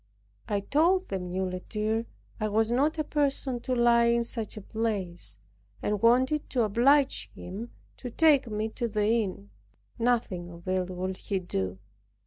I told the muleteer I was not a person to lie in such a place and wanted to oblige him to take me to the inn. Nothing of it would he do.